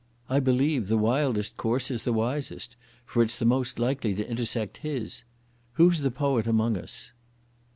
I believe the wildest course is the wisest, for it's the most likely to intersect his.... Who's the poet among us?"